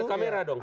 ke kamera dong